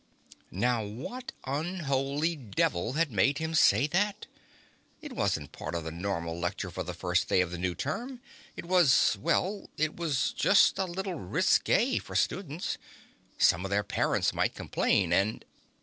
Now what unholy devil had made him say that? It wasn't a part of the normal lecture for first day of the new term. It was well, it was just a little risqué for students. Some of their parents might complain, and